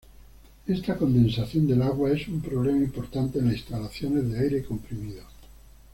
Esta condensación del agua es un problema importante en las instalaciones de aire comprimido.